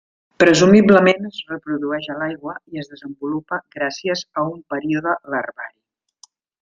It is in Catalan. Presumiblement es reprodueix a l'aigua i es desenvolupa gràcies a un període larvari.